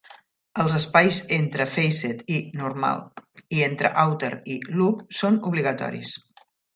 Els espais entre "facet" i "normal" i entre "outer" i "loop" són obligatoris.